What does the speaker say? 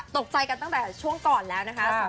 ตกใจกันตั้งแต่ช่วงก่อนแล้วนะคะ